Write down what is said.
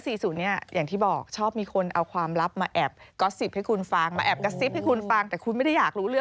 สรุ้าอย่างที่บอกชอบมีคนเอาความลับมาแอบกอสซิบให้คุณฟังมาแอบกอสซิบไปคุณฟังแต่คุณไม่ได้